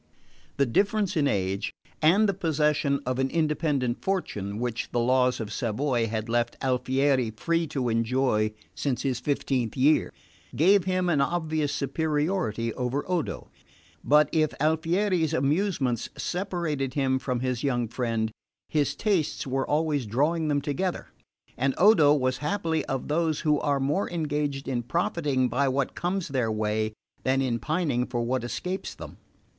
The difference in age, and the possession of an independent fortune, which the laws of Savoy had left Alfieri free to enjoy since his fifteenth year, gave him an obvious superiority over Odo; but if Alfieri's amusements separated him from his young friend, his tastes were always drawing them together; and Odo was happily of those who are more engaged in profiting by what comes their way than in pining for what escapes them.